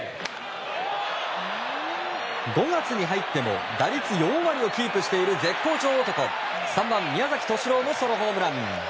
５月に入っても打率４割をキープしている絶好調男、３番、宮崎敏郎もソロホームラン！